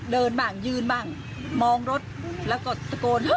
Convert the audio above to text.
เดินบ้างยืนบ้างมองรถแล้วก็ตะโกนเฮ้ยเฮ้ย